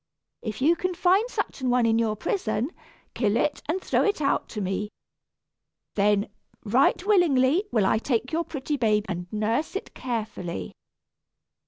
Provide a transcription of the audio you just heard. If you can find such an one in your prison, kill it and throw it out to me. Then, right willingly, will I take your pretty babe and nurse it carefully."